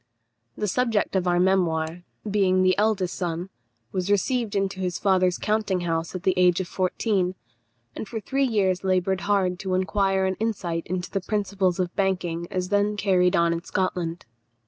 The subject of our memoir, being the eldest son, was received into his father's counting house at the age of fourteen, and for three years laboured hard to acquire an insight into the principles of banking as then carried on in Scotland.